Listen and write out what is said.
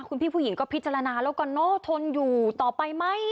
คุณพี่ผู้หญิงก็พิจารณาแล้วกันเนอะทนอยู่ต่อไปไหม